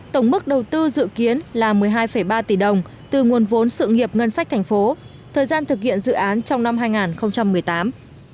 tổng mức đầu tư dự kiến là một mươi hai ba tỷ đồng từ nguồn vốn sự nghiệp ngân sách thành phố thời gian thực hiện dự án trong năm hai nghìn một mươi tám